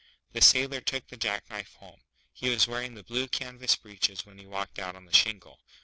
The Sailor took the jack knife home. He was wearing the blue canvas breeches when he walked out on the shingle.